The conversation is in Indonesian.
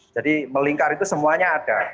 jadi melingkar itu semuanya ada